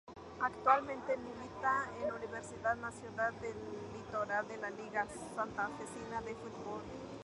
Actualmente milita en Universidad Nacional del Litoral de la Liga Santafesina de Fútbol.